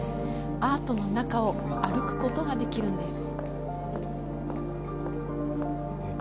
アートの中を歩くことができるんです。